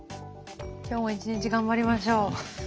「今日も一日頑張りましょう！」。